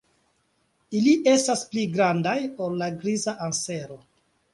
Ili estas pli malgrandaj ol la Griza ansero.